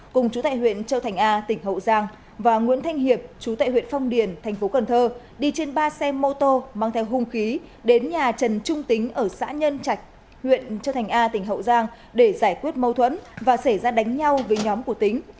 cùng chú tại huyện châu thành a tỉnh hậu giang và nguyễn thanh hiệp chú tại huyện phong điền thành phố cần thơ đi trên ba xe mô tô mang theo hung khí đến nhà trần trung tính ở xã nhân trạch huyện châu thành a tỉnh hậu giang để giải quyết mâu thuẫn và xảy ra đánh nhau với nhóm của tính